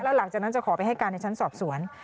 หลังจากนั้นจะขอไปให้การในชั้นสอบสวน